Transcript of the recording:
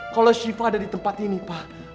kalau shiva ada di tempat ini pak